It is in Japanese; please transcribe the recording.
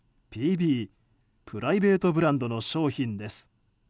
ＰＢ・プライベートブランドの商品です。